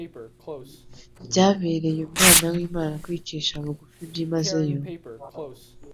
Byabereye Umwana w'Imana kwicisha bugufi byimazeyo,